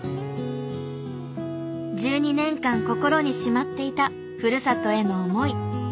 １２年間心にしまっていたふるさとへの思い。